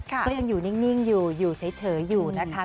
ก็ยังอยู่นิ่งอยู่อยู่เฉยอยู่นะคะ